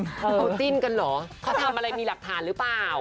เขาจิ้นกันเหรอเขาทำอะไรมีหลักฐานหรือเปล่า